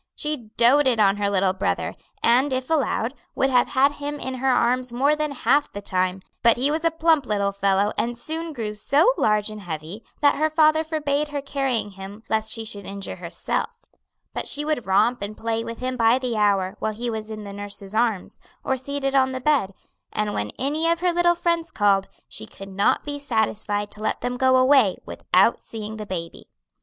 She doted on her little brother, and, if allowed, would have had him in her arms more than half the time; but he was a plump little fellow, and soon grew so large and heavy that her father forbade her carrying him lest she should injure herself; but she would romp and play with him by the hour while he was in the nurse's arms, or seated on the bed; and when any of her little friends called, she could not be satisfied to let them go away without seeing the baby.